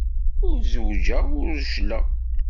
Ur zewǧeɣ, ur reccleɣ.